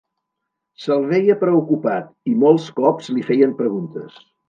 Se'l veia preocupat i molts cops li feien preguntes